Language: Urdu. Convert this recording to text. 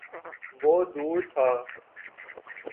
وہ دور تھا۔